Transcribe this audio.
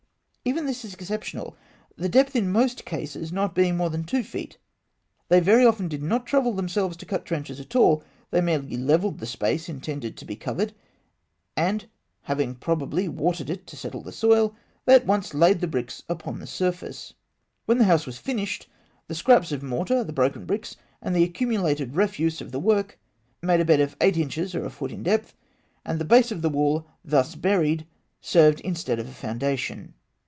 Even this is exceptional, the depth in most cases being not more than two feet. They very often did not trouble themselves to cut trenches at all; they merely levelled the space intended to be covered, and, having probably watered it to settle the soil, they at once laid the bricks upon the surface. When the house was finished, the scraps of mortar, the broken bricks, and all the accumulated refuse of the work, made a bed of eight inches or a foot in depth, and the base of the wall thus buried served instead of a foundation.